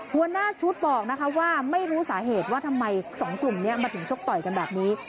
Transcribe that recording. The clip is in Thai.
หัวหน้าชุดบอกนะคะว่าไม่รู้สาเหตุว่าทำไมสองกลุ่มนี้มาถึงชกต่อยกันแบบนี้